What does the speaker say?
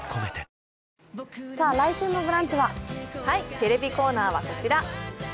テレビコーナーはこちら。